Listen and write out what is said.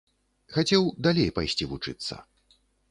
Хацеў далей пайсці вучыцца.